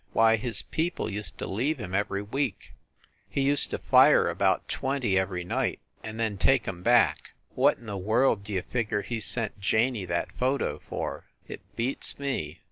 Why, his peo ple used to leave him every week. He used to fire about twenty every night and then take em back. What in the world d you figure he sent Janey that photo for? It beats me!